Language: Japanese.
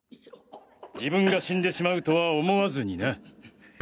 自分が死んでしまうとは思わずにな。